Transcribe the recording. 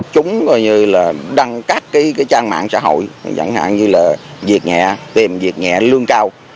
chúng coi như là đăng các trang mạng xã hội chẳng hạn như là việc nhẹ tìm việc nhẹ lương cao